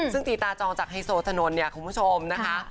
ซึ่งตีตาจองจากไฮโซถนนของผู้ชมนะคะ